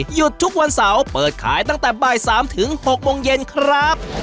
หยุดทุกวันเสาร์เปิดขายตั้งแต่บ่าย๓ถึง๖โมงเย็นครับ